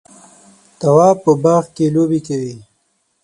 تواب په باغ کې لوبې کولې.